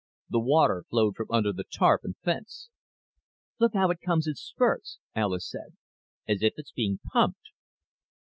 The water flowed from under the tarp and fence. "Look how it comes in spurts," Alis said. "As if it's being pumped."